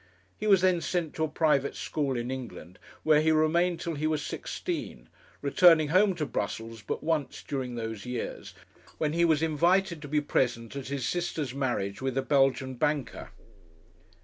He was then sent to a private school in England, where he remained till he was sixteen, returning home to Brussels but once during those years, when he was invited to be present at his sister's marriage with a Belgian banker.